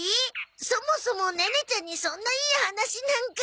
そもそもネネちゃんにそんないい話なんか。